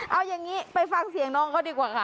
เอาอย่างนี้ไปฟังเสียงน้องเขาดีกว่าค่ะ